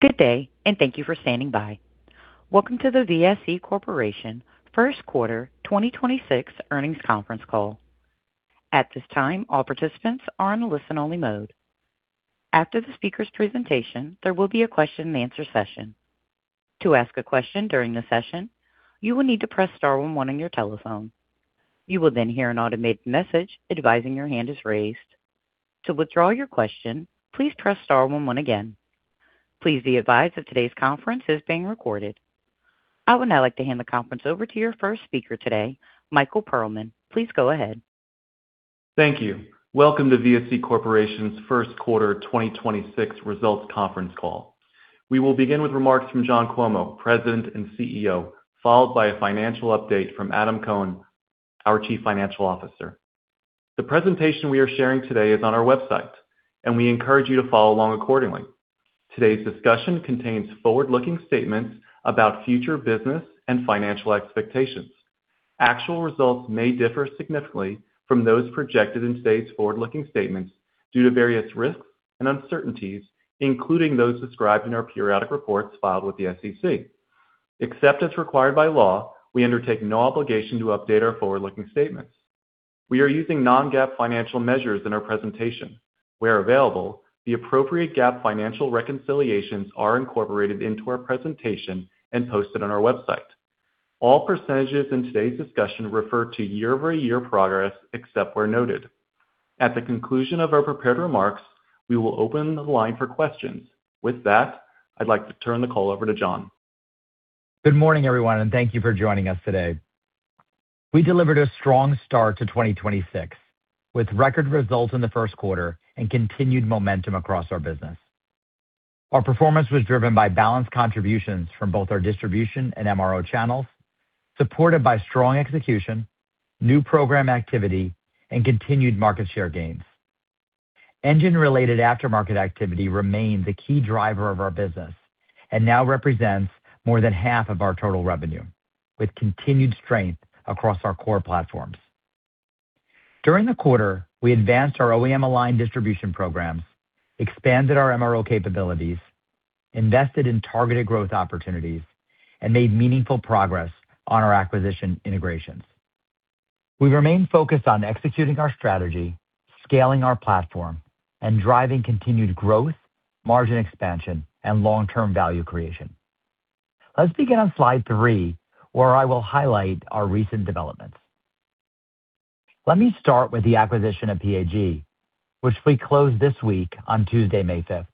Good day, and thank you for standing by. Welcome to the VSE Corporation first quarter 2026 earnings conference call. At this time, all participants are in listen-only mode. After the speaker's presentation, there will be a question-and-answer session. To ask a question during a session, you will need to press star one one on your telephone. You will then hear an automated message advising your hand is raised. To withdraw your question, please press star one one again. Please be advised that today's conference is being recorded. I would now like to hand the conference over to your first speaker today, Michael Perlman. Please go ahead. Thank you. Welcome to VSE Corporation's first quarter 2026 results conference call. We will begin with remarks from John Cuomo, President and CEO, followed by a financial update from Adam Cohn, our Chief Financial Officer. The presentation we are sharing today is on our website, and we encourage you to follow along accordingly. Today's discussion contains forward-looking statements about future business and financial expectations. Actual results may differ significantly from those projected in today's forward-looking statements due to various risks and uncertainties, including those described in our periodic reports filed with the SEC. Except as required by law, we undertake no obligation to update our forward-looking statements. We are using non-GAAP financial measures in our presentation. Where available, the appropriate GAAP financial reconciliations are incorporated into our presentation and posted on our website. All percentages in today's discussion refer to year-over-year progress, except where noted. At the conclusion of our prepared remarks, we will open the line for questions. With that, I'd like to turn the call over to John. Good morning, everyone, and thank you for joining us today. We delivered a strong start to 2026, with record results in the first quarter and continued momentum across our business. Our performance was driven by balanced contributions from both our distribution and MRO channels, supported by strong execution, new program activity, and continued market share gains. Engine-related aftermarket activity remained the key driver of our business and now represents more than half of our total revenue, with continued strength across our core platforms. During the quarter, we advanced our OEM-aligned distribution programs, expanded our MRO capabilities, invested in targeted growth opportunities, and made meaningful progress on our acquisition integrations. We remain focused on executing our strategy, scaling our platform, and driving continued growth, margin expansion, and long-term value creation. Let's begin on slide three, where I will highlight our recent developments. Let me start with the acquisition of PAG, which we closed this week on Tuesday, May fifth.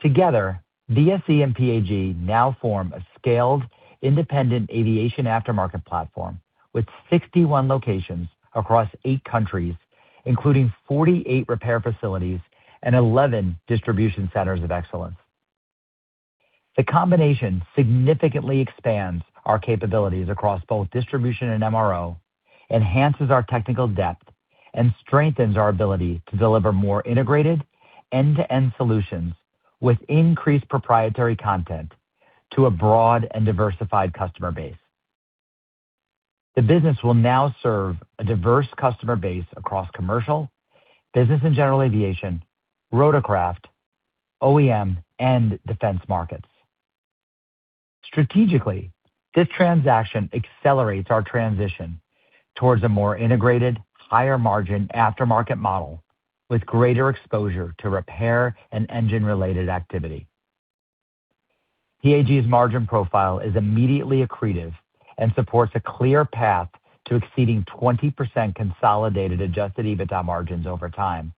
Together, VSE and PAG now form a scaled independent aviation aftermarket platform with 61 locations across eight countries, including 48 repair facilities and 11 distribution centers of excellence. The combination significantly expands our capabilities across both distribution and MRO, enhances our technical depth, and strengthens our ability to deliver more integrated end-to-end solutions with increased proprietary content to a broad and diversified customer base. The business will now serve a diverse customer base across commercial, business and general aviation, rotorcraft, OEM, and defense markets. Strategically, this transaction accelerates our transition towards a more integrated, higher-margin aftermarket model with greater exposure to repair and engine-related activity. PAG's margin profile is immediately accretive and supports a clear path to exceeding 20% consolidated adjusted EBITDA margins over time,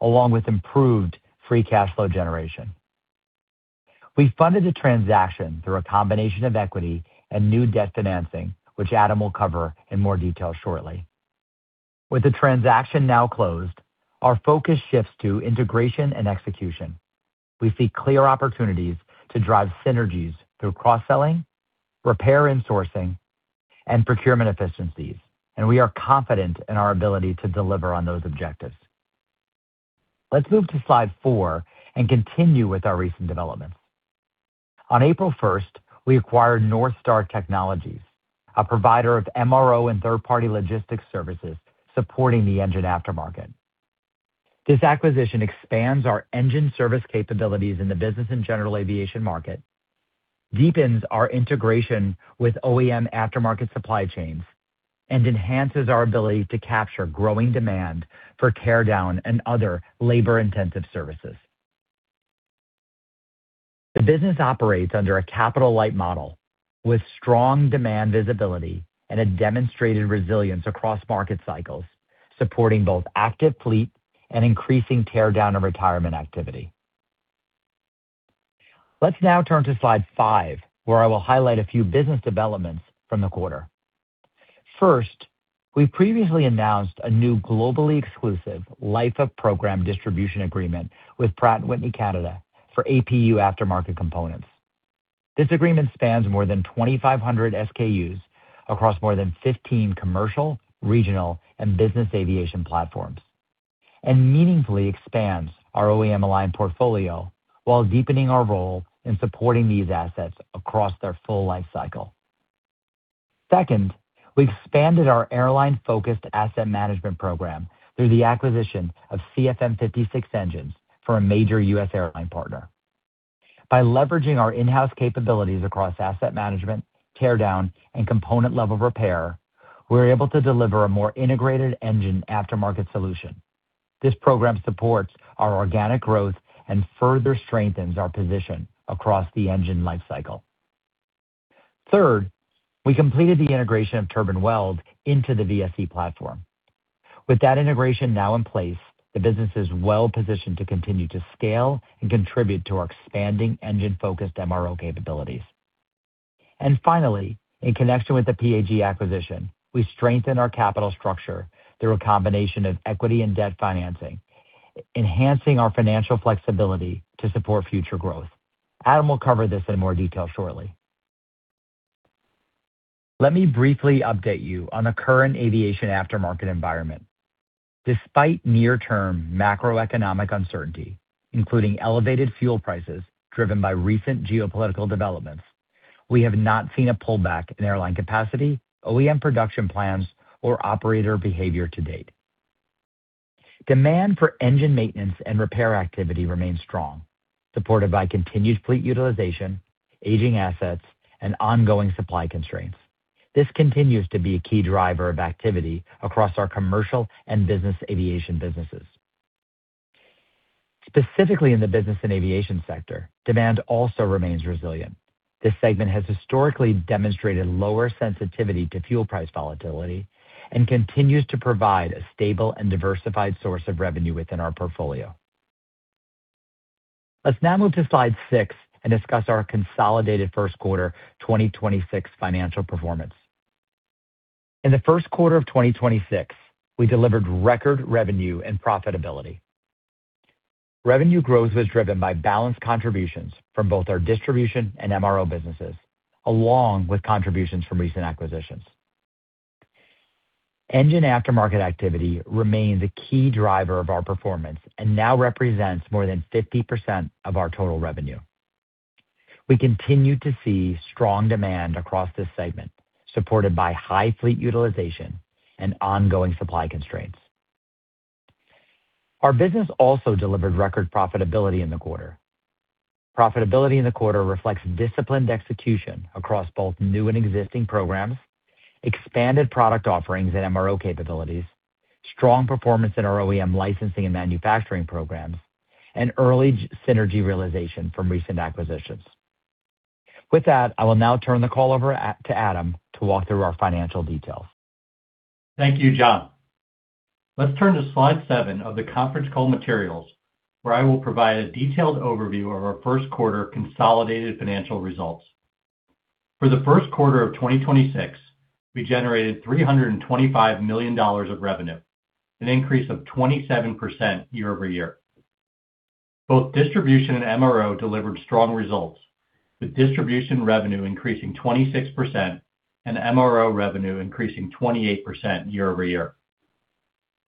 along with improved free cash flow generation. We funded the transaction through a combination of equity and new debt financing, which Adam Cohn will cover in more detail shortly. With the transaction now closed, our focus shifts to integration and execution. We see clear opportunities to drive synergies through cross-selling, repair insourcing, and procurement efficiencies, and we are confident in our ability to deliver on those objectives. Let's move to slide four and continue with our recent developments. On April 1st, we acquired NorthStar Technology, a provider of MRO and third-party logistics services supporting the engine aftermarket. This acquisition expands our engine service capabilities in the business and general aviation market, deepens our integration with OEM aftermarket supply chains, and enhances our ability to capture growing demand for teardown and other labor-intensive services. The business operates under a capital-light model with strong demand visibility and a demonstrated resilience across market cycles, supporting both active fleet and increasing teardown and retirement activity. Let's now turn to slide five, where I will highlight a few business developments from the quarter. First, we previously announced a new globally exclusive life-of-program distribution agreement with Pratt & Whitney Canada for APU aftermarket components. This agreement spans more than 2,500 SKUs across more than 15 commercial, regional, and business aviation platforms and meaningfully expands our OEM-aligned portfolio while deepening our role in supporting these assets across their full life cycle. Second, we expanded our airline-focused asset management program through the acquisition of CFM56 engines for a major U.S. airline partner. By leveraging our in-house capabilities across asset management, teardown, and component-level repair, we're able to deliver a more integrated engine aftermarket solution. This program supports our organic growth and further strengthens our position across the engine life cycle. Third, we completed the integration of Turbine Weld into the VSE platform. With that integration now in place, the business is well-positioned to continue to scale and contribute to our expanding engine-focused MRO capabilities. Finally, in connection with the PAG acquisition, we strengthened our capital structure through a combination of equity and debt financing, enhancing our financial flexibility to support future growth. Adam will cover this in more detail shortly. Let me briefly update you on the current aviation aftermarket environment. Despite near-term macroeconomic uncertainty, including elevated fuel prices driven by recent geopolitical developments, we have not seen a pullback in airline capacity, OEM production plans, or operator behavior to date. Demand for engine maintenance and repair activity remains strong, supported by continued fleet utilization, aging assets, and ongoing supply constraints. This continues to be a key driver of activity across our commercial and business aviation businesses. Specifically, in the business and aviation sector, demand also remains resilient. This segment has historically demonstrated lower sensitivity to fuel price volatility and continues to provide a stable and diversified source of revenue within our portfolio. Let's now move to slide six and discuss our consolidated first quarter 2026 financial performance. In the first quarter of 2026, we delivered record revenue and profitability. Revenue growth was driven by balanced contributions from both our distribution and MRO businesses, along with contributions from recent acquisitions. Engine aftermarket activity remains a key driver of our performance and now represents more than 50% of our total revenue. We continue to see strong demand across this segment, supported by high fleet utilization and ongoing supply constraints. Our business also delivered record profitability in the quarter. Profitability in the quarter reflects disciplined execution across both new and existing programs, expanded product offerings and MRO capabilities, strong performance in our OEM licensing and manufacturing programs, and early synergy realization from recent acquisitions. With that, I will now turn the call over to Adam to walk through our financial details. Thank you, John. Let's turn to slide seven of the conference call materials, where I will provide a detailed overview of our first quarter consolidated financial results. For the first quarter of 2026, we generated $325 million of revenue, an increase of 27% year-over-year. Both distribution and MRO delivered strong results, with distribution revenue increasing 26% and MRO revenue increasing 28% year-over-year.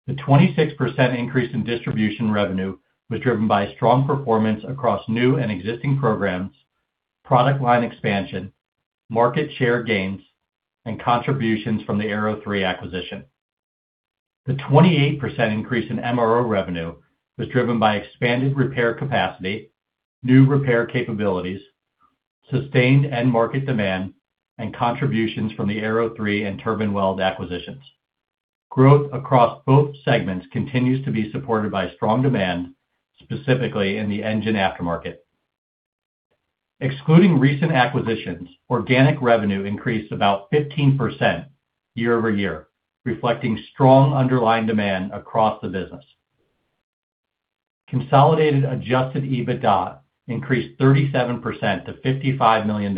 The 26% increase in distribution revenue was driven by strong performance across new and existing programs, product line expansion, market share gains, and contributions from the Aero 3 acquisition. The 28% increase in MRO revenue was driven by expanded repair capacity, new repair capabilities, sustained end market demand, and contributions from the Aero 3 and Turbine Weld acquisitions. Growth across both segments continues to be supported by strong demand, specifically in the engine aftermarket. Excluding recent acquisitions, organic revenue increased about 15% year-over-year, reflecting strong underlying demand across the business. Consolidated adjusted EBITDA increased 37% to $55 million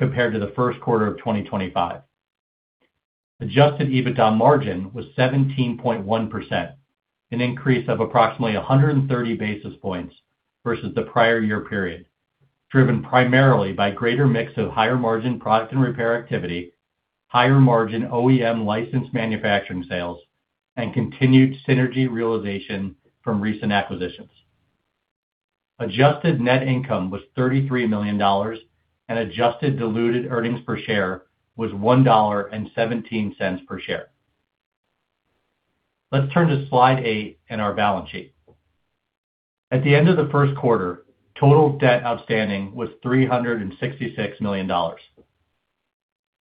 compared to the first quarter of 2025. Adjusted EBITDA margin was 17.1%, an increase of approximately 130 basis points versus the prior year period, driven primarily by greater mix of higher-margin product and repair activity, higher-margin OEM licensed manufacturing sales, and continued synergy realization from recent acquisitions. Adjusted net income was $33 million and adjusted diluted earnings per share was $1.17 per share. Let's turn to slide eight and our balance sheet. At the end of the first quarter, total debt outstanding was $366 million.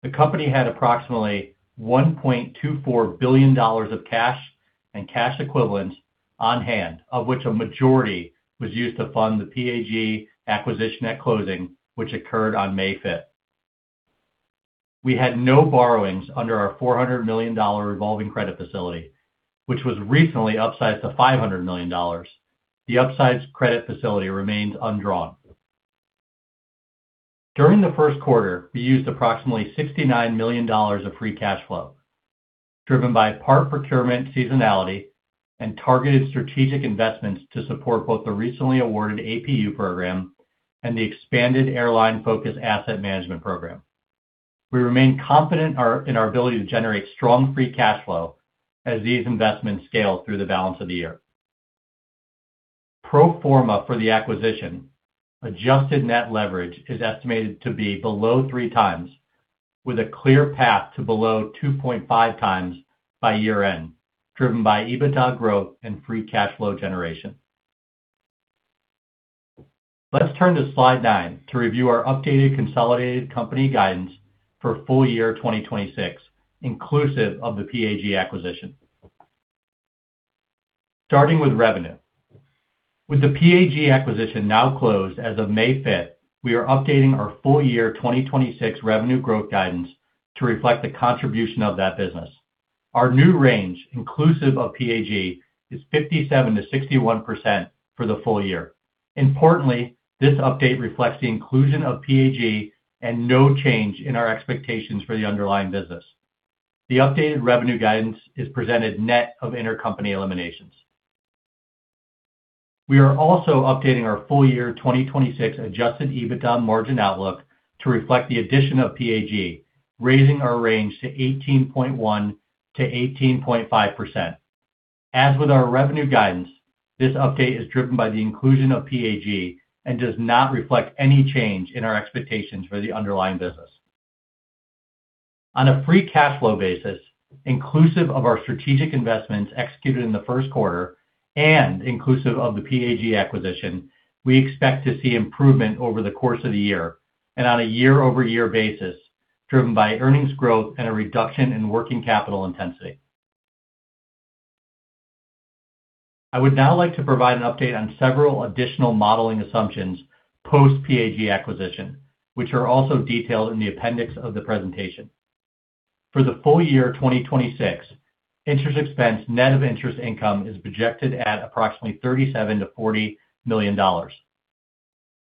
The company had approximately $1.24 billion of cash and cash equivalents on hand, of which a majority was used to fund the PAG acquisition at closing, which occurred on May 5th. We had no borrowings under our $400 million revolving credit facility, which was recently upsized to $500 million. The upsized credit facility remains undrawn. During the first quarter, we used approximately $69 million of free cash flow, driven by part procurement seasonality and targeted strategic investments to support both the recently awarded APU program and the expanded airline-focused asset management program. We remain confident in our ability to generate strong free cash flow as these investments scale through the balance of the year. Pro forma for the acquisition, adjusted net leverage is estimated to be below 3x, with a clear path to below 2.5x by year-end, driven by EBITDA growth and free cash flow generation. Let's turn to slide nine to review our updated consolidated company guidance for full year 2026, inclusive of the PAG acquisition. Starting with revenue. With the PAG acquisition now closed as of May 5th, we are updating our full year 2026 revenue growth guidance to reflect the contribution of that business. Our new range, inclusive of PAG, is 57%-61% for the full year. Importantly, this update reflects the inclusion of PAG and no change in our expectations for the underlying business. The updated revenue guidance is presented net of intercompany eliminations. We are also updating our full year 2026 adjusted EBITDA margin outlook to reflect the addition of PAG, raising our range to 18.1%-18.5%. As with our revenue guidance, this update is driven by the inclusion of PAG and does not reflect any change in our expectations for the underlying business. On a free cash flow basis, inclusive of our strategic investments executed in the first quarter and inclusive of the PAG acquisition, we expect to see improvement over the course of the year and on a year-over-year basis, driven by earnings growth and a reduction in working capital intensity. I would now like to provide an update on several additional modeling assumptions post-PAG acquisition, which are also detailed in the appendix of the presentation. For the full year 2026, interest expense net of interest income is projected at approximately $37 million-$40 million.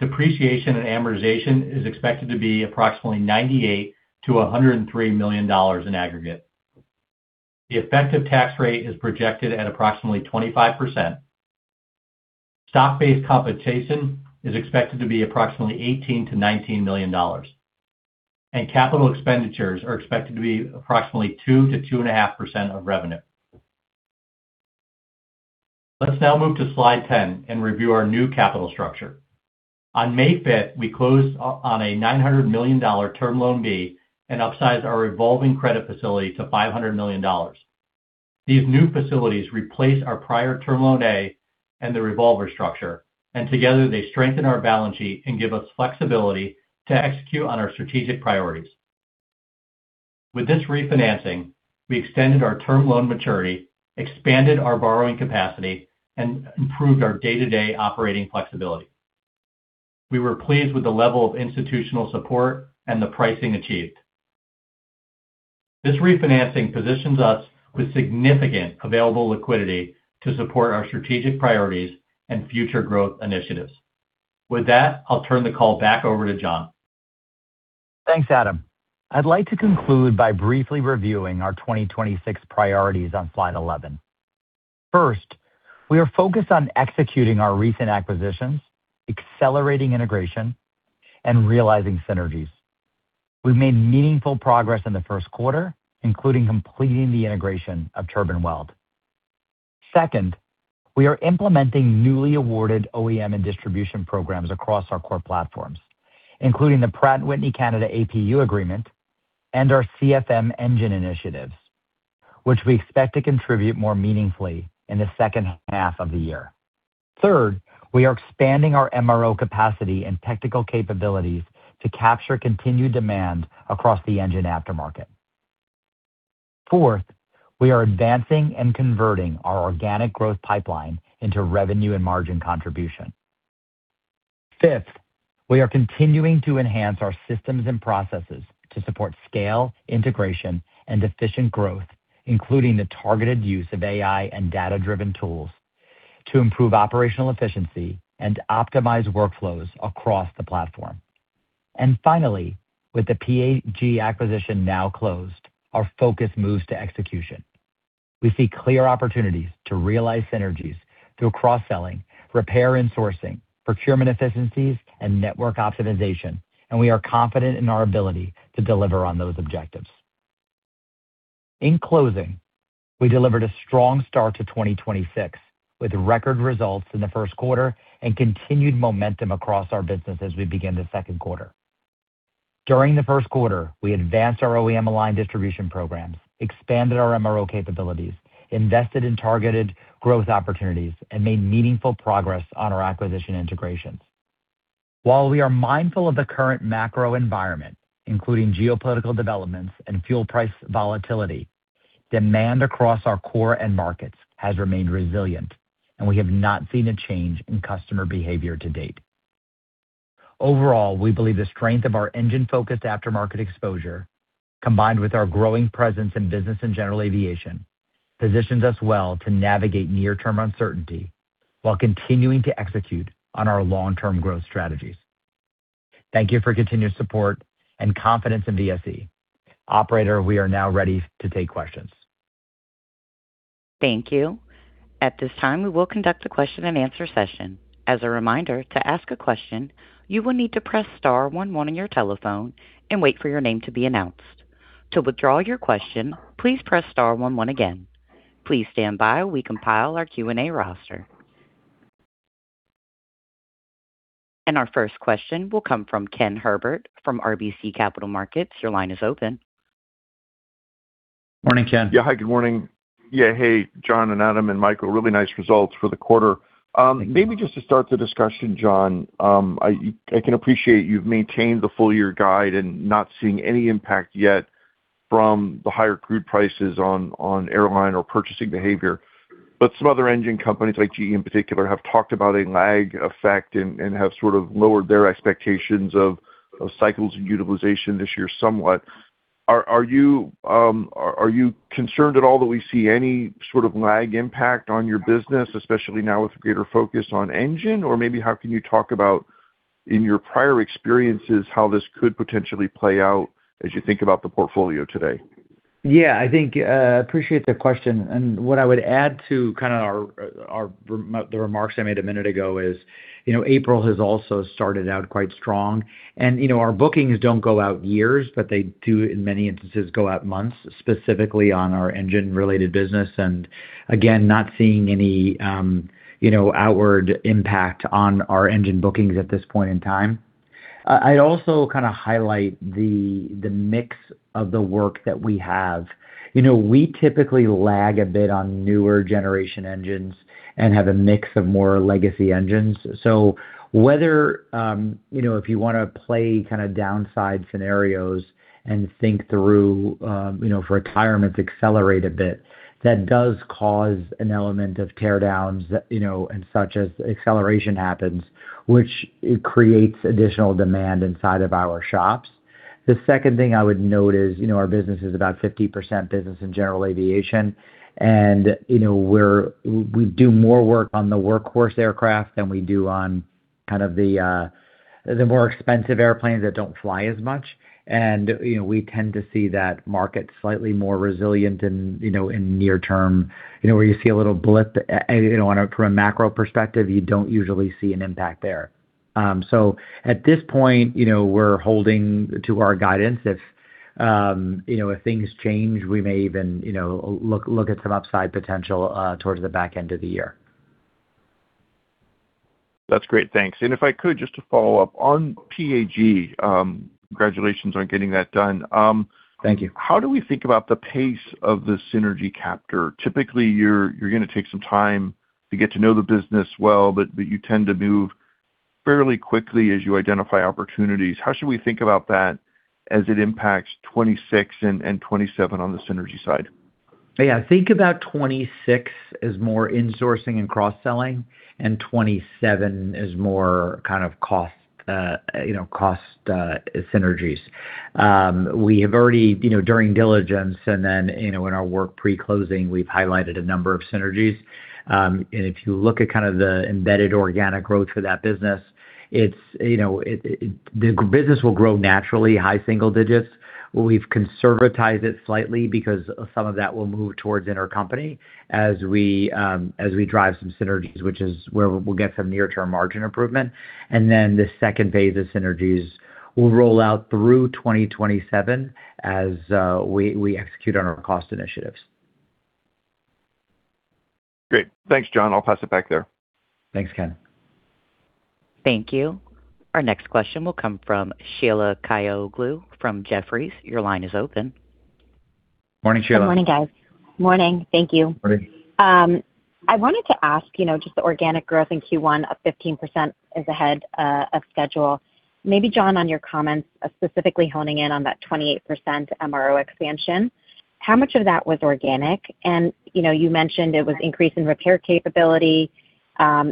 Depreciation and amortization is expected to be approximately $98 million-$103 million in aggregate. The effective tax rate is projected at approximately 25%. Stock-based compensation is expected to be approximately $18 million-$19 million. Capital expenditures are expected to be approximately 2%-2.5% of revenue. Let's now move to slide 10 and review our new capital structure. On May 5th, we closed on a $900 million term loan B and upsized our revolving credit facility to $500 million. These new facilities replace our prior term loan A and the revolver structure, and together they strengthen our balance sheet and give us flexibility to execute on our strategic priorities. With this refinancing, we extended our term loan maturity, expanded our borrowing capacity, and improved our day-to-day operating flexibility. We were pleased with the level of institutional support and the pricing achieved. This refinancing positions us with significant available liquidity to support our strategic priorities and future growth initiatives. With that, I'll turn the call back over to John. Thanks, Adam. I'd like to conclude by briefly reviewing our 2026 priorities on slide 11. First, we are focused on executing our recent acquisitions, accelerating integration, and realizing synergies. We've made meaningful progress in the first quarter, including completing the integration of Turbine Weld. Second, we are implementing newly awarded OEM and distribution programs across our core platforms, including the Pratt & Whitney Canada APU agreement and our CFM engine initiatives, which we expect to contribute more meaningfully in the second half of the year. Third, we are expanding our MRO capacity and technical capabilities to capture continued demand across the engine aftermarket. Fourth, we are advancing and converting our organic growth pipeline into revenue and margin contribution. Fifth, we are continuing to enhance our systems and processes to support scale, integration, and efficient growth, including the targeted use of AI and data-driven tools to improve operational efficiency and optimize workflows across the platform. Finally, with the PAG acquisition now closed, our focus moves to execution. We see clear opportunities to realize synergies through cross-selling, repair and sourcing, procurement efficiencies, and network optimization, and we are confident in our ability to deliver on those objectives. In closing, we delivered a strong start to 2026, with record results in the first quarter and continued momentum across our business as we begin the second quarter. During the first quarter, we advanced our OEM-aligned distribution programs, expanded our MRO capabilities, invested in targeted growth opportunities, and made meaningful progress on our acquisition integrations. While we are mindful of the current macro environment, including geopolitical developments and fuel price volatility, demand across our core end markets has remained resilient, and we have not seen a change in customer behavior to date. Overall, we believe the strength of our engine-focused aftermarket exposure, combined with our growing presence in business and general aviation, positions us well to navigate near-term uncertainty while continuing to execute on our long-term growth strategies. Thank you for your continued support and confidence in VSE. Operator, we are now ready to take questions. Thank you. At this time, we will conduct a question-and-answer session. As a reminder, to ask a question, you will need to press star one one on your telephone and wait for your name to be announced. To withdraw your question, please press star one one again. Please stand by while we compile our Q&A roster. Our first question will come from Ken Herbert from RBC Capital Markets. Your line is open. Morning, Ken. Hi, good morning. Yeah. Hey, John and Adam and Michael, really nice results for the quarter. Maybe just to start the discussion, John, I can appreciate you've maintained the full year guide and not seeing any impact yet from the higher crude prices on airline or purchasing behavior. Some other engine companies, like GE in particular, have talked about a lag effect and have sort of lowered their expectations of cycles and utilization this year somewhat. Are you concerned at all that we see any sort of lag impact on your business, especially now with greater focus on engine? Maybe how can you talk about in your prior experiences, how this could potentially play out as you think about the portfolio today? Yeah. I think, appreciate the question. What I would add to kind of our the remarks I made a minute ago is, you know, April has also started out quite strong. You know, our bookings don't go out years, but they do in many instances go out months, specifically on our engine-related business, and again, not seeing any, you know, outward impact on our engine bookings at this point in time. I'd also kind of highlight the mix of the work that we have. You know, we typically lag a bit on newer generation engines and have a mix of more legacy engines. Whether, you know, if you wanna play kind of downside scenarios and think through, you know, if retirements accelerate a bit, that does cause an element of teardowns, you know, and such as acceleration happens, which it creates additional demand inside of our shops. The second thing I would note is, you know, our business is about 50% business in general aviation. You know, we do more work on the workhorse aircraft than we do on kind of the more expensive airplanes that don't fly as much. You know, we tend to see that market slightly more resilient in, you know, in near term, you know, where you see a little blip from a macro perspective, you don't usually see an impact there. At this point, you know, we're holding to our guidance. If, you know, if things change, we may even, you know, look at some upside potential, towards the back end of the year. That's great. Thanks. If I could just to follow up on PAG, congratulations on getting that done. Thank you. How do we think about the pace of the synergy capture? Typically, you're gonna take some time to get to know the business well, but you tend to move fairly quickly as you identify opportunities. How should we think about that as it impacts 2026 and 2027 on the synergy side? Yeah. Think about 2026 as more insourcing and cross-selling, and 2027 as more kind of cost synergies. We have already during diligence and then in our work pre-closing, we've highlighted a number of synergies. If you look at kind of the embedded organic growth for that business, The business will grow naturally high single digits. We've conservatized it slightly because some of that will move towards intercompany as we as we drive some synergies, which is where we'll get some near-term margin improvement. The second phase of synergies will roll out through 2027 as we execute on our cost initiatives. Great. Thanks, John. I'll pass it back there. Thanks, Ken. Thank you. Our next question will come from Sheila Kahyaoglu from Jefferies. Your line is open. Morning, Sheila. Good morning, guys. Morning. Thank you. Morning. I wanted to ask, just the organic growth in Q1 of 15% is ahead of schedule. Maybe John, on your comments, specifically honing in on that 28% MRO expansion, how much of that was organic? You mentioned it was increase in repair capability,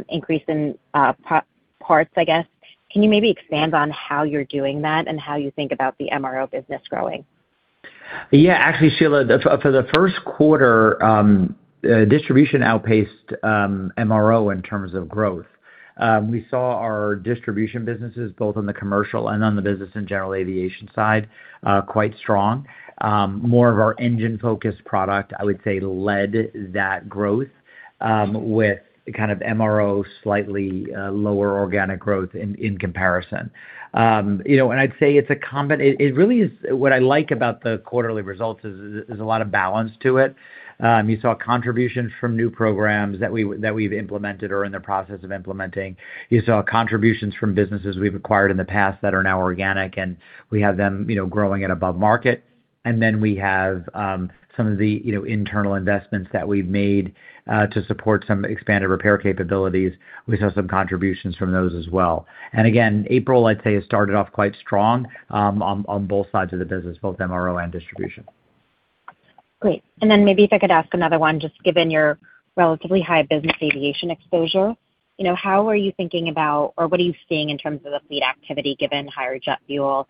increase in parts, I guess. Can you maybe expand on how you're doing that and how you think about the MRO business growing? Yeah. Actually, Sheila, for the first quarter, distribution outpaced MRO in terms of growth. We saw our distribution businesses, both on the commercial and on the business and general aviation side, quite strong. More of our engine-focused product, I would say, led that growth, with kind of MRO slightly lower organic growth in comparison. You know, I'd say it really is. What I like about the quarterly results is there's a lot of balance to it. You saw contributions from new programs that we've implemented or in the process of implementing. You saw contributions from businesses we've acquired in the past that are now organic, and we have them, you know, growing at above market. We have, you know, some of the internal investments that we've made to support some expanded repair capabilities. We saw some contributions from those as well. April, I'd say, has started off quite strong on both sides of the business, both MRO and distribution. Great. Maybe if I could ask another one, just given your relatively high business aviation exposure, you know, how are you thinking about or what are you seeing in terms of the fleet activity given higher jet fuel?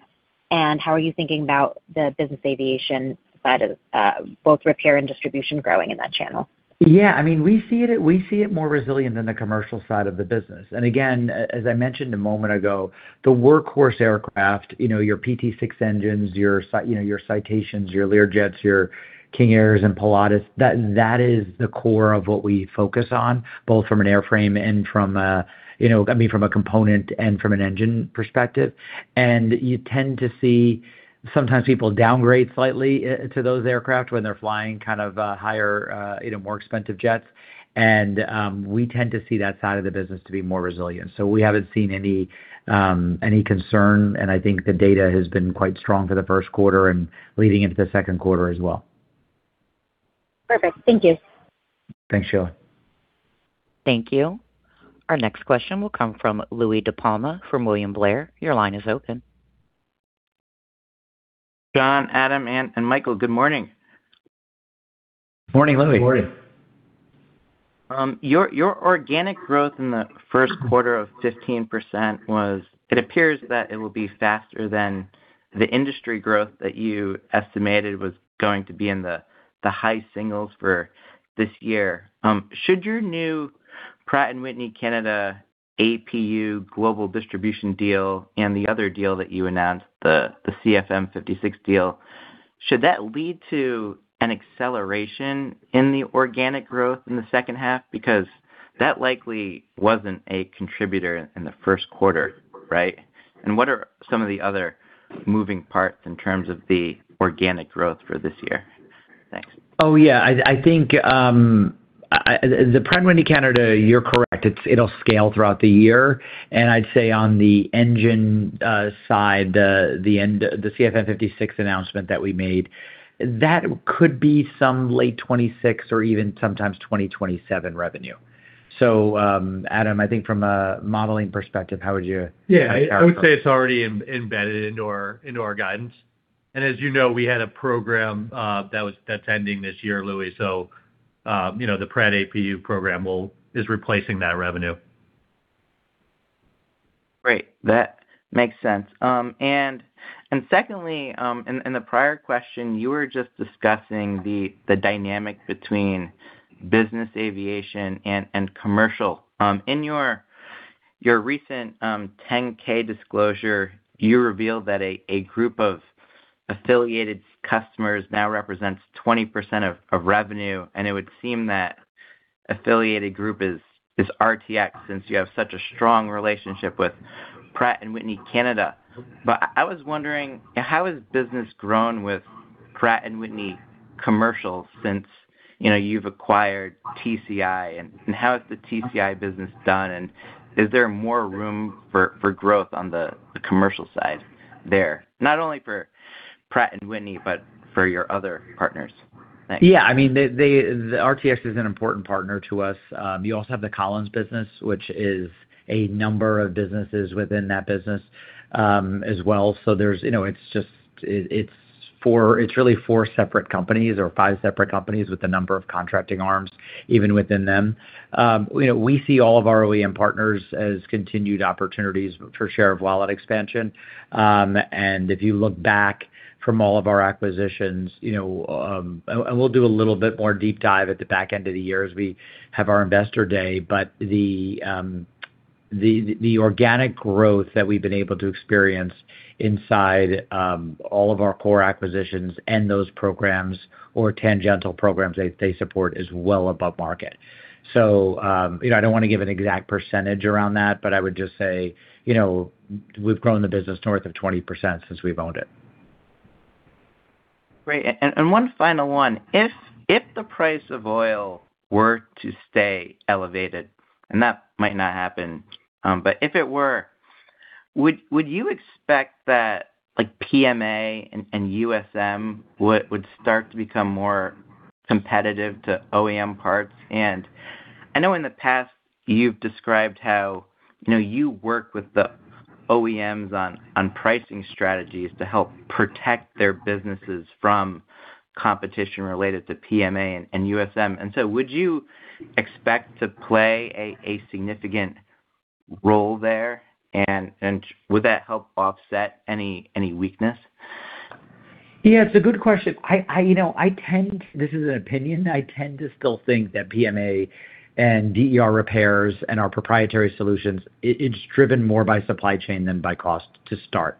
How are you thinking about the business aviation side of both repair and distribution growing in that channel? I mean, we see it, we see it more resilient than the commercial side of the business. Again, as I mentioned a moment ago, the workhorse aircraft, you know, your PT6 engines, your Citations, your Learjets, your King Airs and Pilatus, that is the core of what we focus on, both from an airframe and from, you know, I mean, from a component and from an engine perspective. You tend to see sometimes people downgrade slightly to those aircraft when they're flying kind of higher, you know, more expensive jets. We tend to see that side of the business to be more resilient. We haven't seen any concern, and I think the data has been quite strong for the first quarter and leading into the second quarter as well. Perfect. Thank you. Thanks, Sheila. Thank you. Our next question will come from Louie DiPalma from William Blair. Your line is open. John, Adam, and Michael, good morning. Morning, Louie. Morning. Your, your organic growth in the first quarter of 15% it appears that it will be faster than the industry growth that you estimated was going to be in the high singles for this year. Should your new Pratt & Whitney Canada APU global distribution deal and the other deal that you announced, the CFM56 deal, should that lead to an acceleration in the organic growth in the second half? That likely wasn't a contributor in the first quarter, right? What are some of the other moving parts in terms of the organic growth for this year? Thanks. Oh, yeah. I think the Pratt & Whitney Canada, you're correct. It'll scale throughout the year. I'd say on the engine side, the CFM56 announcement that we made, that could be some late 2026 or even sometimes 2027 revenue. Adam, I think from a modeling perspective, how would you characterize that? Yeah. I would say it's already embedded into our guidance. As you know, we had a program that's ending this year, Louie. You know, the Pratt APU program is replacing that revenue. Great. That makes sense. And secondly, in the prior question, you were just discussing the dynamic between business aviation and commercial. In your recent 10-K disclosure, you revealed that a group of affiliated customers now represents 20% of revenue, and it would seem that affiliated group is RTX, since you have such a strong relationship with Pratt & Whitney Canada. I was wondering, how has business grown with Pratt & Whitney commercials since, you know, you've acquired TCI, and how has the TCI business done, and is there more room for growth on the commercial side there? Not only for Pratt & Whitney, but for your other partners. Thanks. I mean, RTX is an important partner to us. You also have the Collins business, which is a number of businesses within that business, as well. There's, you know, it's really four separate companies or five separate companies with the number of contracting arms even within them. You know, we see all of our OEM partners as continued opportunities for share of wallet expansion. If you look back from all of our acquisitions, you know, we'll do a little bit more deep dive at the back end of the year as we have our investor day. The organic growth that we've been able to experience inside all of our core acquisitions and those programs or tangential programs they support is well above market. You know, I don't wanna give an exact percentage around that, but I would just say, you know, we've grown the business north of 20% since we've owned it. Great. One final one. If the price of oil were to stay elevated, and that might not happen, but if it were, would you expect that like PMA and USM would start to become more competitive to OEM parts? I know in the past you've described how, you know, you work with the OEMs on pricing strategies to help protect their businesses from competition related to PMA and USM. Would you expect to play a significant role there? Would that help offset any weakness? Yeah, it's a good question. I, you know, This is an opinion. I tend to still think that PMA and DER repairs and our proprietary solutions, it's driven more by supply chain than by cost to start.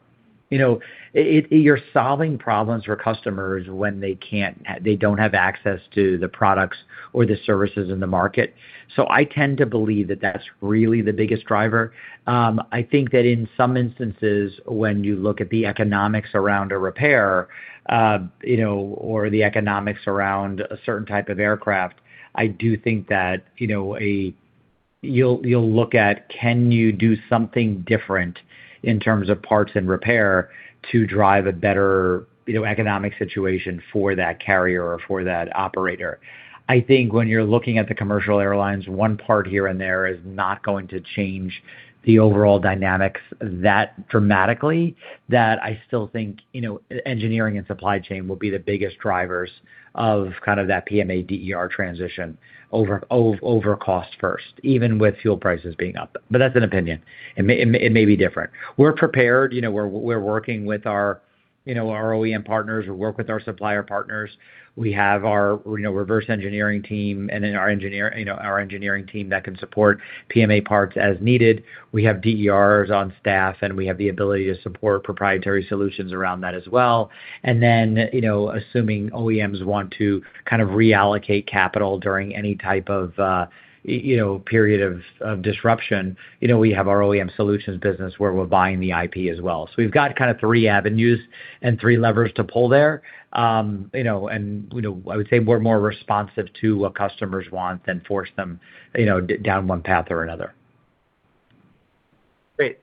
You know, you're solving problems for customers when they don't have access to the products or the services in the market. I tend to believe that that's really the biggest driver. I think that in some instances, when you look at the economics around a repair, you know, or the economics around a certain type of aircraft, I do think that, you know, you'll look at can you do something different in terms of parts and repair to drive a better, you know, economic situation for that carrier or for that operator. I think when you're looking at the commercial airlines, one part here and there is not going to change the overall dynamics that dramatically, that I still think, you know, engineering and supply chain will be the biggest drivers of kind of that PMA/DER transition over cost first, even with fuel prices being up. But that's an opinion. It may be different. We're prepared. You know, we're working with our, you know, our OEM partners. We work with our supplier partners. We have our, you know, reverse engineering team, and then our engineering team that can support PMA parts as needed. We have DERs on staff, and we have the ability to support proprietary solutions around that as well. You know, assuming OEMs want to kind of reallocate capital during any type of, you know, period of disruption, you know, we have our OEM solutions business where we're buying the IP as well. We've got kind of three avenues and three levers to pull there. You know, I would say we're more responsive to what customers want than force them, you know, down one path or another. Great.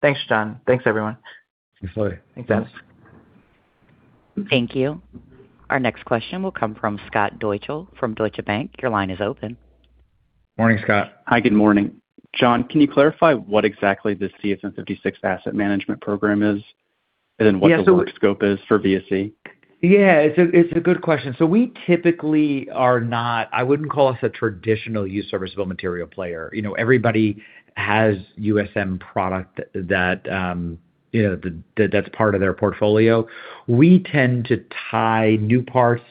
Thanks, John. Thanks, everyone. Thanks, Louie. Thank you. Our next question will come from Scott Deuschle from Deutsche Bank. Your line is open. Morning, Scott. Hi, good morning. John, can you clarify what exactly the CFM56 asset management program is, and then what the work scope is for VSE? Yeah. It's a good question. We typically are not. I wouldn't call us a traditional used serviceable material player. You know, everybody has USM product that, you know, that's part of their portfolio. We tend to tie new parts,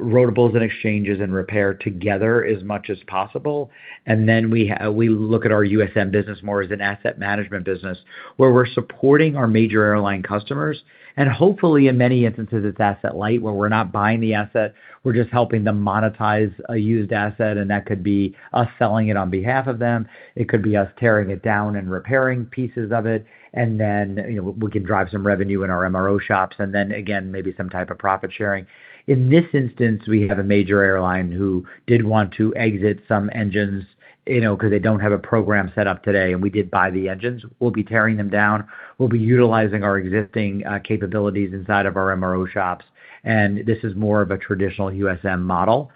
rotables, and exchanges, and repair together as much as possible. We look at our USM business more as an asset management business, where we're supporting our major airline customers. Hopefully, in many instances, it's asset light, where we're not buying the asset, we're just helping them monetize a used asset, and that could be us selling it on behalf of them. It could be us tearing it down and repairing pieces of it. You know, we can drive some revenue in our MRO shops. Again, maybe some type of profit sharing. In this instance, we have a major airline who did want to exit some engines, you know, 'cause they don't have a program set up today, and we did buy the engines. We'll be tearing them down. We'll be utilizing our existing capabilities inside of our MRO shops. This is more of a traditional USM model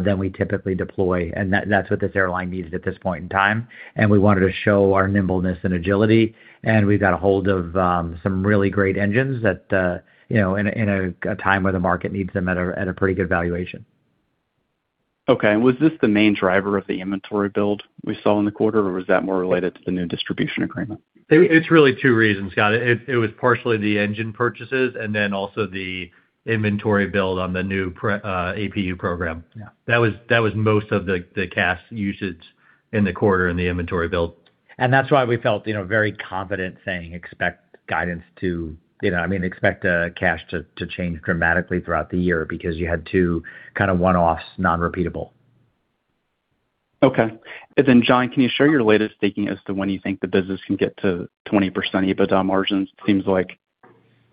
than we typically deploy, and that's what this airline needed at this point in time. We wanted to show our nimbleness and agility, and we got a hold of some really great engines that, you know, in a time where the market needs them at a pretty good valuation. Okay. Was this the main driver of the inventory build we saw in the quarter, or was that more related to the new distribution agreement? It's really two reasons, Scott. It was partially the engine purchases and then also the inventory build on the new APU program. Yeah. That was most of the cash usage in the quarter and the inventory build. That's why we felt, you know, very confident saying, I mean, expect cash to change dramatically throughout the year because you had two kind of one-offs, non-repeatable. Okay. John, can you share your latest thinking as to when you think the business can get to 20% EBITDA margins? Seems like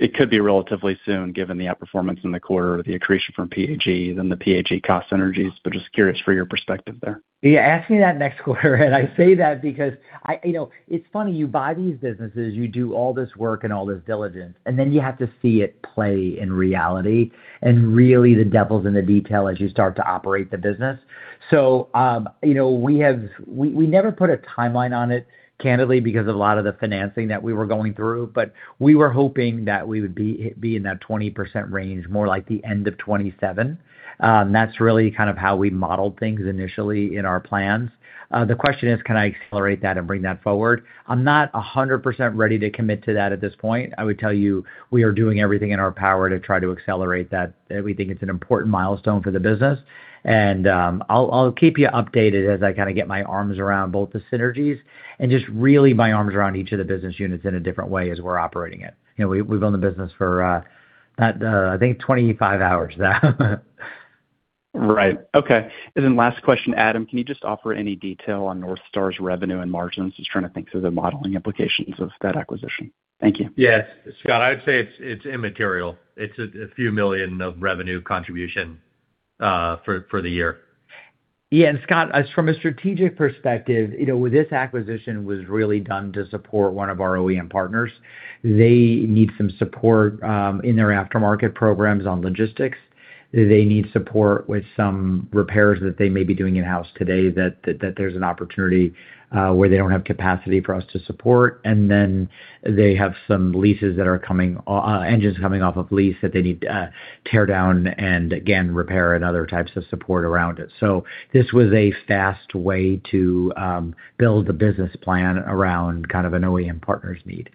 it could be relatively soon, given the outperformance in the quarter, the accretion from PAG, then the PAG cost synergies. Just curious for your perspective there. Yeah. Ask me that next quarter. I say that because I, you know, it's funny, you buy these businesses, you do all this work and all this diligence, and then you have to see it play in reality. Really, the devil's in the detail as you start to operate the business. You know, we never put a timeline on it, candidly, because of a lot of the financing that we were going through. We were hoping that we would be in that 20% range, more like the end of 2027. That's really kind of how we modeled things initially in our plans. The question is, can I accelerate that and bring that forward? I'm not 100% ready to commit to that at this point. I would tell you we are doing everything in our power to try to accelerate that. We think it's an important milestone for the business. I'll keep you updated as I kinda get my arms around both the synergies and just really my arms around each of the business units in a different way as we're operating it. You know, we've owned the business for, I think 25 hours now. Right. Okay. Last question, Adam, can you just offer any detail on NorthStar's revenue and margins? Just trying to think through the modeling implications of that acquisition. Thank you. Yes. Scott, I'd say it's immaterial. It's a few million of revenue contribution for the year. Yeah. Scott, as from a strategic perspective, you know, this acquisition was really done to support one of our OEM partners. They need some support in their aftermarket programs on logistics. They need support with some repairs that they may be doing in-house today that there's an opportunity where they don't have capacity for us to support. Then they have some leases that are engines coming off of lease that they need tear down and again, repair and other types of support around it. This was a fast way to build the business plan around kind of an OEM partner's need.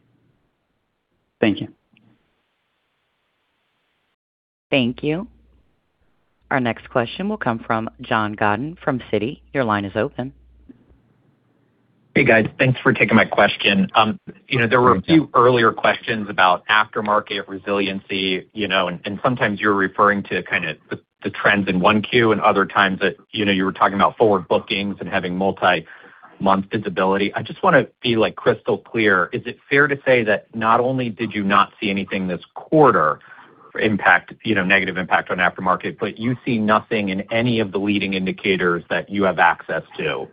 Thank you. Thank you. Our next question will come from John Godyn from Citi. Your line is open. Hey, guys. Thanks for taking my question. You know, there were a few earlier questions about aftermarket resiliency, you know, and sometimes you're referring to kind of the trends in 1Q, and other times that, you know, you were talking about forward bookings and having multi-month visibility. I just wanna be, like, crystal clear. Is it fair to say that not only did you not see anything this quarter impact, you know, negative impact on aftermarket, but you see nothing in any of the leading indicators that you have access to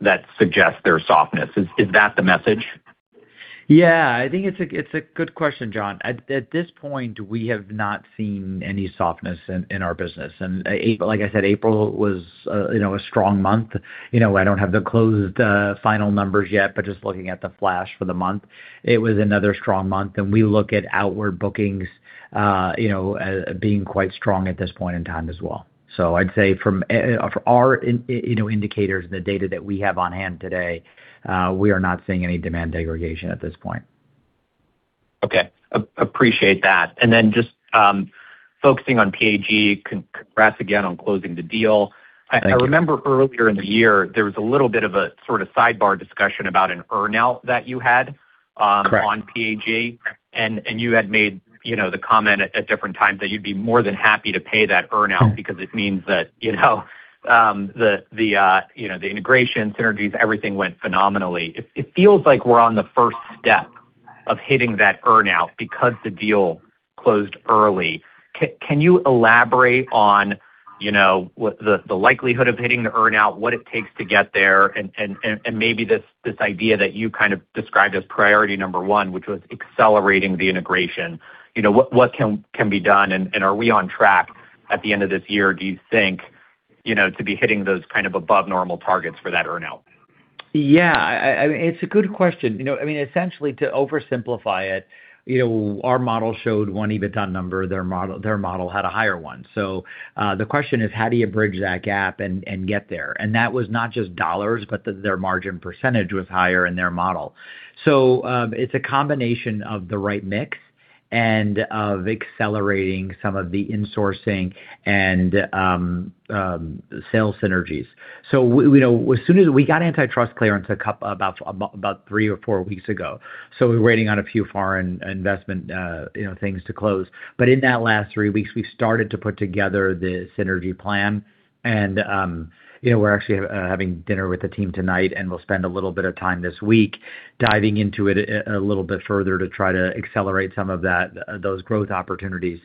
that suggest their softness? Is that the message? Yeah. I think it's a good question, John. At this point, we have not seen any softness in our business. Like I said, April was, you know, a strong month. You know, I don't have the closed final numbers yet, but just looking at the flash for the month, it was another strong month. We look at outward bookings, you know, being quite strong at this point in time as well. I'd say from our indicators, the data that we have on hand today, we are not seeing any demand degradation at this point. Okay. appreciate that. Just focusing on PAG, congrats again on closing the deal. Thank you. I remember earlier in the year, there was a little bit of a sort of sidebar discussion about an earn-out that you had. Correct on PAG. You had made, you know, the comment at different times that you'd be more than happy to pay that earn-out because it means that, you know, the, you know, the integration synergies, everything went phenomenally. It feels like we're on the first step of hitting that earn out because the deal closed early. Can you elaborate on, you know, what the likelihood of hitting the earn out, what it takes to get there and maybe this idea that you kind of described as priority number one, which was accelerating the integration? You know, what can be done and are we on track at the end of this year, do you think, you know, to be hitting those kind of above normal targets for that earn out? Yeah. I mean, it's a good question. You know, I mean, essentially to oversimplify it, you know, our model showed one EBITDA number, their model had a higher one. The question is how do you bridge that gap and get there? That was not just dollars, but their margin percentage was higher in their model. It's a combination of the right mix and of accelerating some of the insourcing and sales synergies. We know as soon as we got antitrust clearance about three or four weeks ago, we're waiting on a few foreign investment, you know, things to close. In that last three weeks, we've started to put together the synergy plan and, you know, we're actually having dinner with the team tonight, and we'll spend a little bit of time this week diving into it a little bit further to try to accelerate some of that, those growth opportunities.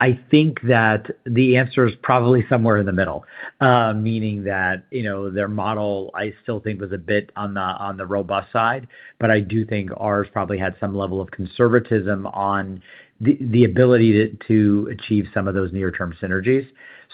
I think that the answer is probably somewhere in the middle. Meaning that, you know, their model I still think was a bit on the robust side, but I do think ours probably had some level of conservatism on the ability to achieve some of those near-term synergies.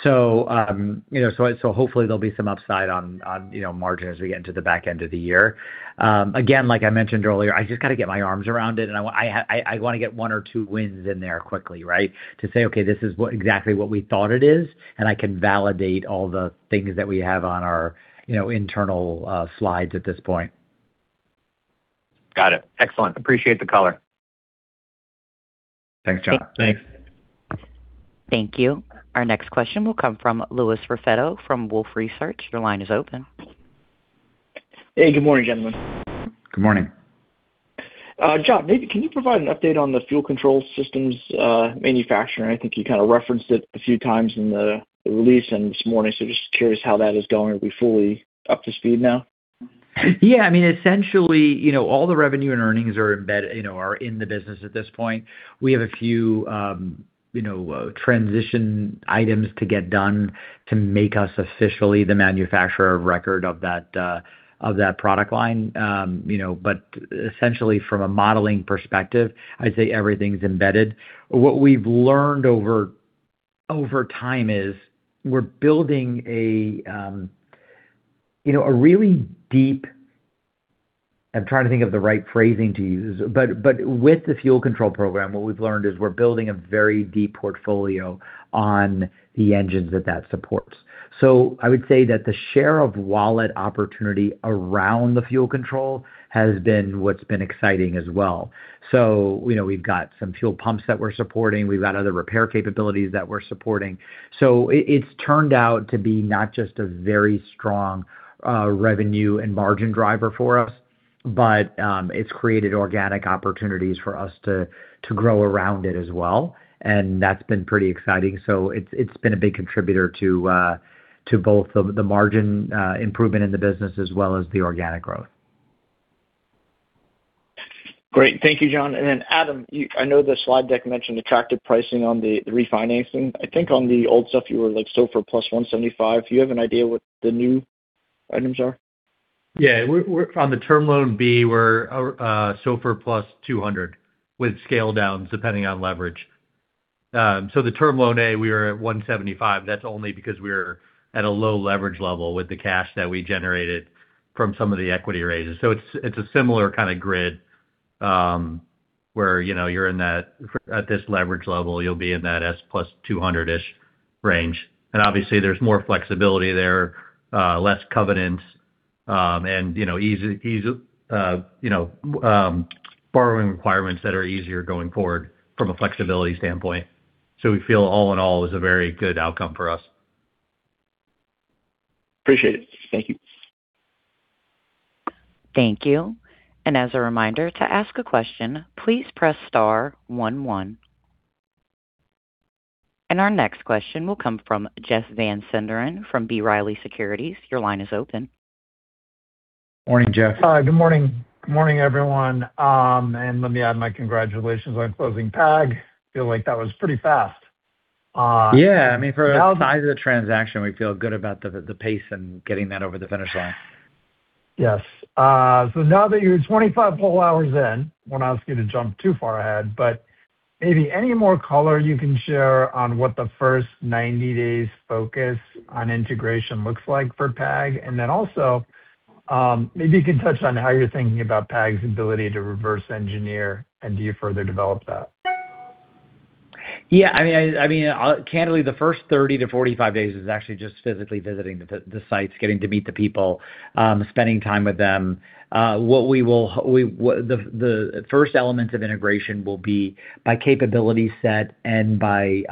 Hopefully there'll be some upside on, you know, margin as we get into the back end of the year. Again, like I mentioned earlier, I just gotta get my arms around it, and I wanna get one or two wins in there quickly, right? To say, "Okay, this is exactly what we thought it is, and I can validate all the things that we have on our, you know, internal slides at this point. Got it. Excellent. Appreciate the color. Thanks, John. Thanks. Thank you. Our next question will come from Louis Raffetto from Wolfe Research. Your line is open. Hey, good morning, gentlemen. Good morning. John, maybe can you provide an update on the fuel control systems manufacturing? I think you kinda referenced it a few times in the release and this morning, so just curious how that is going. Are we fully up to speed now? Yeah. I mean, essentially, you know, all the revenue and earnings are in the business at this point. We have a few, you know, transition items to get done to make us officially the manufacturer of record of that of that product line. You know, essentially from a modeling perspective, I'd say everything's embedded. What we've learned over time is we're building a, you know, a really deep I'm trying to think of the right phrasing to use. With the fuel control program, what we've learned is we're building a very deep portfolio on the engines that that supports. I would say that the share of wallet opportunity around the fuel control has been what's been exciting as well. You know, we've got some fuel pumps that we're supporting. We've got other repair capabilities that we're supporting. It's turned out to be not just a very strong revenue and margin driver for us, but it's created organic opportunities for us to grow around it as well, and that's been pretty exciting. It's been a big contributor to both the margin improvement in the business as well as the organic growth. Great. Thank you, John. Then, Adam, I know the slide deck mentioned attractive pricing on the refinancing. I think on the old stuff you were like SOFR plus 175. Do you have an idea what the new items are? On the term loan B, we're SOFR plus 200 with scale downs depending on leverage. The term loan A, we are at 175. That's only because we're at a low leverage level with the cash that we generated from some of the equity raises. It's a similar kinda grid, where, you know, you're in that, at this leverage level, you'll be in that S plus 200-ish range. Obviously there's more flexibility there, less covenants, and, you know, easy borrowing requirements that are easier going forward from a flexibility standpoint. We feel all in all is a very good outcome for us. Appreciate it. Thank you. Thank you. As a reminder, to ask a question, please press star one one. Our next question will come from Jeff Van Sinderen from B. Riley Securities. Your line is open. Morning, Jeff. Hi, good morning. Good morning, everyone. Let me add my congratulations on closing PAG. Feel like that was pretty fast. Yeah. I mean, for the size of the transaction, we feel good about the pace and getting that over the finish line. Yes. Now that you're 25 whole hours in, won't ask you to jump too far ahead, but maybe any more color you can share on what the first 90 days focus on integration looks like for PAG? Also, maybe you can touch on how you're thinking about PAG's ability to reverse engineer and do you further develop that? I mean, candidly, the first 30-45 days is actually just physically visiting the sites, getting to meet the people, spending time with them. The first elements of integration will be by capability set and by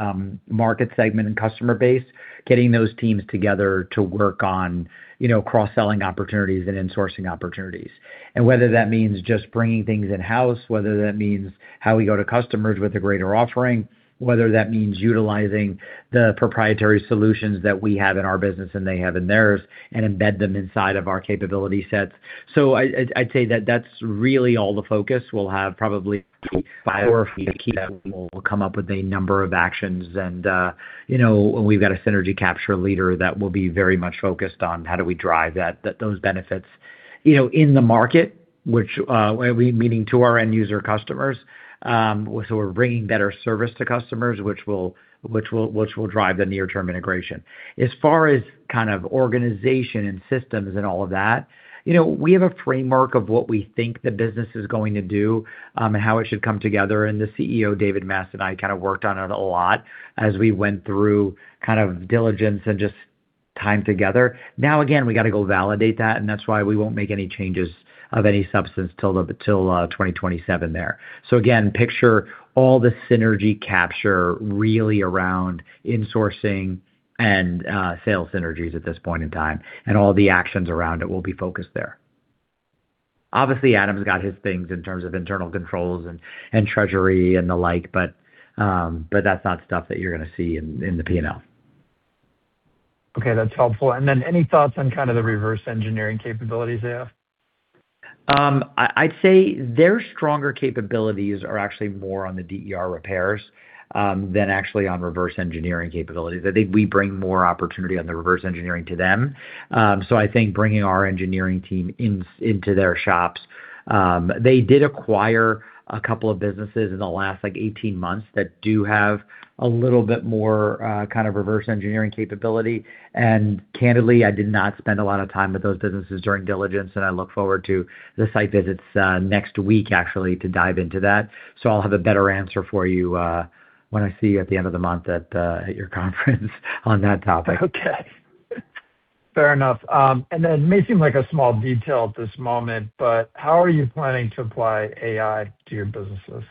market segment and customer base, getting those teams together to work on, you know, cross-selling opportunities and insourcing opportunities. Whether that means just bringing things in-house, whether that means how we go to customers with a greater offering, whether that means utilizing the proprietary solutions that we have in our business and they have in theirs and embed them inside of our capability sets. I'd say that that's really all the focus. We'll have probably five or six key people who will come up with a number of actions, you know, we've got a synergy capture leader that will be very much focused on how do we drive those benefits, you know, in the market, which we meaning to our end user customers, so we're bringing better service to customers, which will drive the near-term integration. As far as kind of organization and systems and all of that, you know, we have a framework of what we think the business is going to do, and how it should come together. The CEO, David Mast, and I kind of worked on it a lot as we went through kind of diligence and just time together. Again, we got to go validate that. That's why we won't make any changes of any substance till the 2027 there. Again, picture all the synergy capture really around insourcing and sales synergies at this point in time. All the actions around it will be focused there. Obviously, Adam's got his things in terms of internal controls and treasury and the like, but that's not stuff that you're gonna see in the P&L. Okay, that's helpful. Any thoughts on kind of the reverse engineering capabilities they have? I'd say their stronger capabilities are actually more on the DER repairs than actually on reverse engineering capabilities. I think we bring more opportunity on the reverse engineering to them. I think bringing our engineering team into their shops. They did acquire a couple of businesses in the last, like, 18 months that do have a little bit more kind of reverse engineering capability. Candidly, I did not spend a lot of time with those businesses during diligence, and I look forward to the site visits next week, actually, to dive into that. I'll have a better answer for you when I see you at the end of the month at your conference on that topic. Okay. Fair enough. It may seem like a small detail at this moment, but how are you planning to apply AI to your businesses?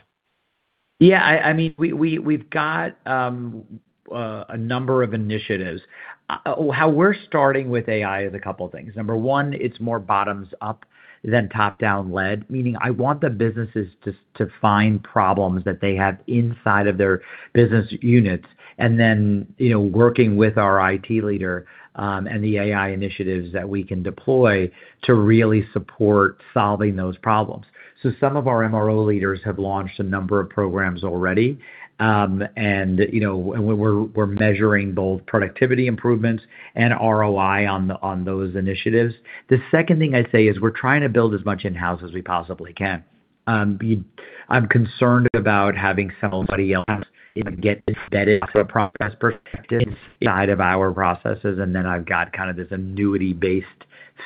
I mean, we've got a number of initiatives. How we're starting with AI is a couple of things. Number one, it's more bottoms up than top-down led, meaning I want the businesses to find problems that they have inside of their business units, and then, you know, working with our IT leader, and the AI initiatives that we can deploy to really support solving those problems. Some of our MRO leaders have launched a number of programs already, and, you know, we're measuring both productivity improvements and ROI on those initiatives. The second thing I'd say is we're trying to build as much in-house as we possibly can. I'm concerned about having somebody else get embedded from a process perspective inside of our processes, and then I've got kind of this annuity-based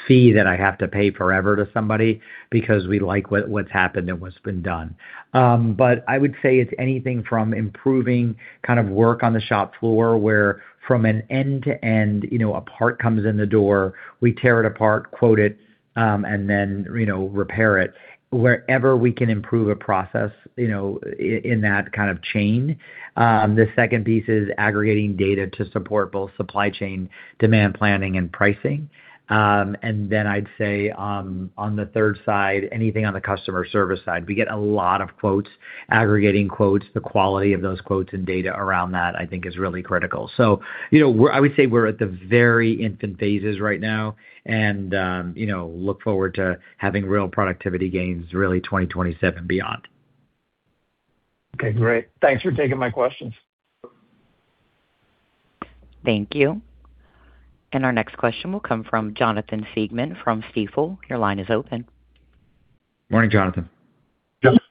fee that I have to pay forever to somebody because we like what's happened and what's been done. I would say it's anything from improving kind of work on the shop floor, where from an end-to-end, you know, a part comes in the door, we tear it apart, quote it, and then, you know, repair it wherever we can improve a process, you know, in that kind of chain. The second piece is aggregating data to support both supply chain demand planning and pricing. I'd say, on the third side, anything on the customer service side. We get a lot of quotes, aggregating quotes. The quality of those quotes and data around that, I think is really critical. I would say we're at the very infant phases right now and, you know, look forward to having real productivity gains really 2027 beyond. Okay, great. Thanks for taking my questions. Thank you. Our next question will come from Jonathan Siegmann from Stifel. Your line is open. Morning, Jonathan. Jonathan.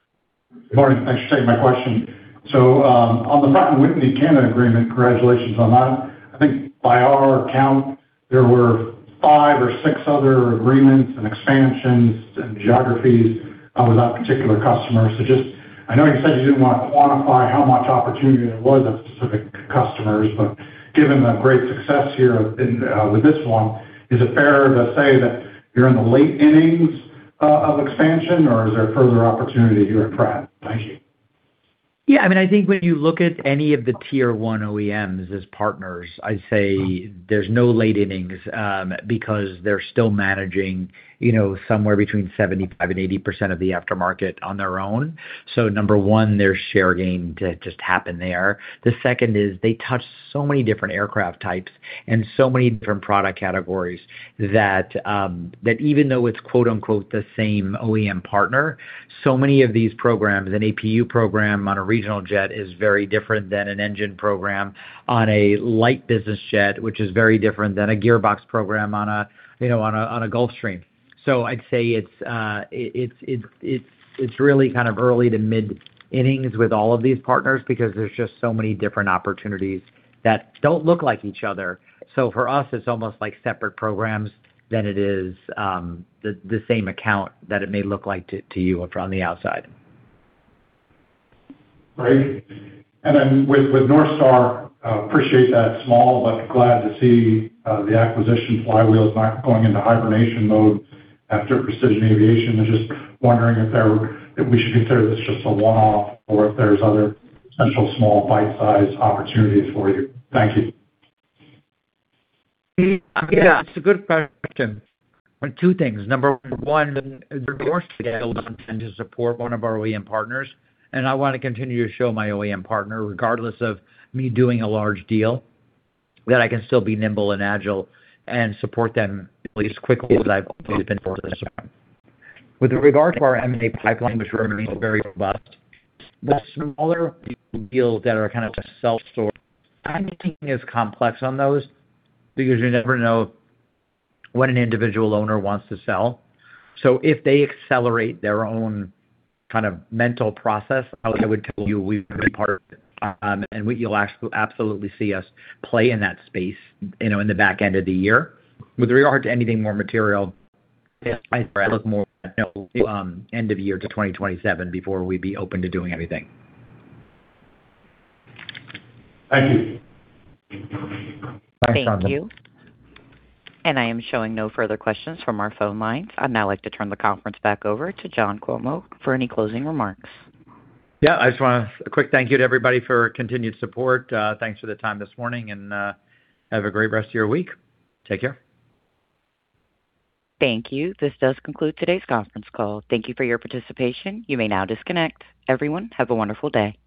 Morning. Thanks for taking my question. On the Pratt & Whitney Canada agreement, congratulations on that. I think by our count, there were five or six other agreements and expansions and geographies with that particular customer. I know you said you didn't want to quantify how much opportunity there was with specific customers, but given the great success here with this one, is it fair to say that you're in the late innings of expansion, or is there further opportunity here at Pratt? Thank you. Yeah. I mean, I think when you look at any of the Tier 1 OEMs as partners, I'd say there's no late innings, because they're still managing, you know, somewhere between 75% and 80% of the aftermarket on their own. Number one, there's share gain to just happen there. The second is they touch so many different aircraft types and so many different product categories that even though it's quote-unquote, the same OEM partner, so many of these programs, an APU program on a regional jet is very different than an engine program on a light business jet, which is very different than a gearbox program on a, you know, on a, on a Gulfstream. I'd say it's really kind of early to mid-innings with all of these partners because there's just so many different opportunities that don't look like each other. For us, it's almost like separate programs than it is the same account that it may look like to you from the outside. Great. With NorthStar, appreciate that small, but glad to see the acquisition flywheel is not going into hibernation mode after Precision Aviation. I'm just wondering if we should consider this just a one-off or if there's other potential small bite-size opportunities for you. Thank you. Yeah. It's a good question. Two things. Number one, the NorthStar deal was intended to support one of our OEM partners, and I wanna continue to show my OEM partner, regardless of me doing a large deal, that I can still be nimble and agile and support them at least quickly as I've always been for this time. With regard to our M&A pipeline, which remains very robust, the smaller deals that are kind of just self-sourced, timing is complex on those because you never know when an individual owner wants to sell. If they accelerate their own kind of mental process, I would tell you we've been part of it. You'll absolutely see us play in that space, you know, in the back end of the year. With regard to anything more material, I look more at end of year to 2027 before we'd be open to doing anything. Thank you. Thanks, Jonathan. Thank you. I am showing no further questions from our phone lines. I'd now like to turn the conference back over to John Cuomo for any closing remarks. A quick thank you to everybody for your continued support. Thanks for the time this morning. Have a great rest of your week. Take care. Thank you. This does conclude today's conference call. Thank you for your participation. You may now disconnect. Everyone, have a wonderful day.